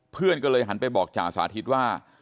เพื่อนก็เลยหันไปบอกจ่าสาธิตว่า